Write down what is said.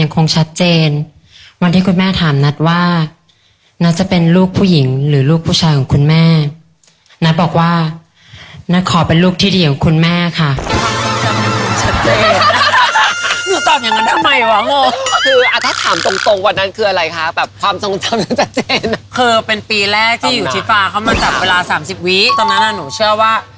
คือเป็นปีแรกที่อยู่ที่ฟ้าเข้ามาตับเวลา๓๐วิตอนนั้นน่ะหนูเชื่อว่า